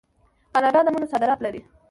کاناډا د مڼو صادرات لري.